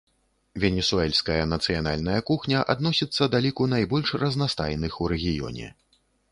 Венесуэльская нацыянальная кухня адносіцца да ліку найбольш разнастайных у рэгіёне.